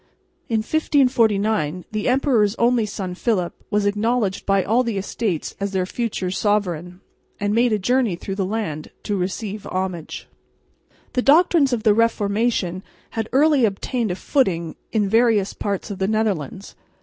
In 1549 the emperor's only son Philip was acknowledged by all the Estates as their future sovereign, and made a journey through the land to receive homage. The doctrines of the Reformation had early obtained a footing in various parts of the Netherlands.